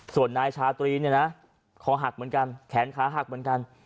ส่วนนายชาตรีเนี่ยนะคอหักเหมือนกันแขนขาหักเหมือนกัน